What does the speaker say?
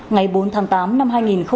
ngày bốn tháng tám năm